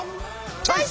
チョイス！